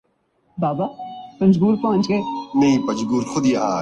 وہاں میرے ایک دوست وسیم